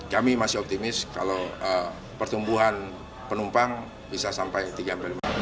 kami masih optimis kalau pertumbuhan penumpang bisa sampai tiga periode